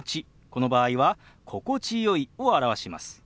この場合は「心地よい」を表します。